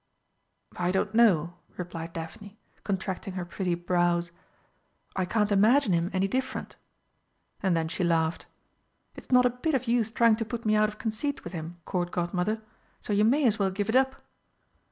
"I don't know," replied Daphne, contracting her pretty brows, "I can't imagine him any different." And then she laughed. "It's not a bit of use trying to put me out of conceit with him, Court Godmother so you may as well give it up!"